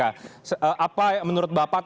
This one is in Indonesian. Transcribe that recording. apa menurut bapak terakhir